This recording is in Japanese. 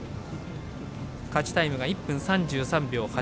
勝ちタイムが１分３３秒８。